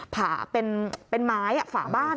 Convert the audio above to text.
ผ่าเป็นไม้ฝาบ้าน